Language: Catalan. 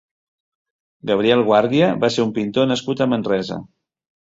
Gabriel Guàrdia va ser un pintor nascut a Manresa.